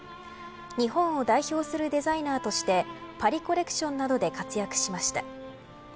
日本を代表するデザイナーとしてパリ・コレクションなどで活躍しました。